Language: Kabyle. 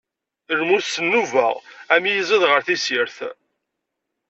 Lmut s nnuba, am yiẓid ɣeṛ tessirt.